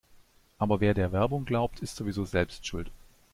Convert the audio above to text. Aber wer der Werbung glaubt, ist sowieso selbst schuld.